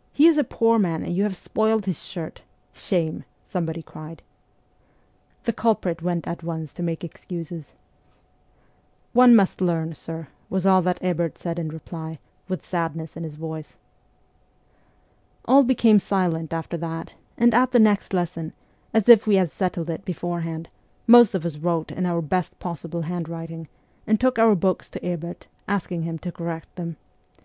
' He is a poor man, and you have spoiled his shirt ! Shame !' somebody cried. The culprit went at once to make excuses. ' One must learn, sir,' was all that Ebert said in reply, with sadness in his voice. All became silent after that, and at the next lesson, as if we had settled it beforehand, .most of us wrote in our best possible handwriting, and took our books to Ebert, asking him to correct them.